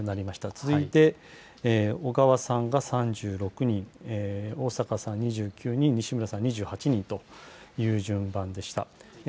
続いて小川さんが３６人、逢坂さん２９人、西村さん２８人という順番でした。